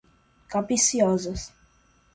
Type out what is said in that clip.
capciosas